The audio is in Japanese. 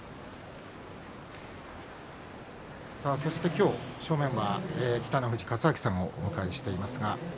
今日、正面は北の富士勝昭さんをお迎えしています。